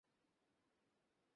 আমি মানুষের ইন্টারভিউ নেই।